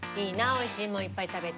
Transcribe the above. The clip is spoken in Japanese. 美味しいものいっぱい食べて。